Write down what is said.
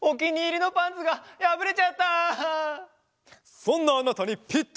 そんなあなたにピッタリの。